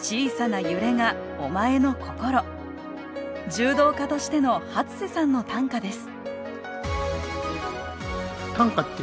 柔道家としての初瀬さんの短歌です